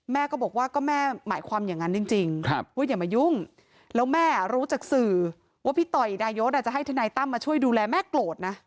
แม่ก็บอกว่าก็แม่หมายความอย่างนั้นจริงว่าอย่ามายุ่งแล้วแม่รู้จากสื่อว่าพี่ต่อยดายศจะให้ทนายตั้มมาช่วยดูแลแม่โกรธนะ